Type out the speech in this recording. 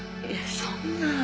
いえそんな。